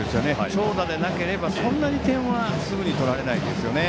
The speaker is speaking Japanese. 長打でなければ、そんなに点はすぐに取られないですよね。